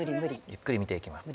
ゆっくり見ていきます。